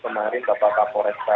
kemarin bapak pak foreska